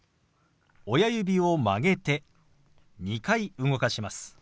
親指を曲げて２回動かします。